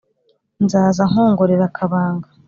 nzaza nkongorera akabanga